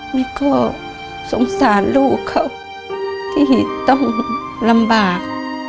นี่ก็สงสารลูกเขาที่ต้องลำบาก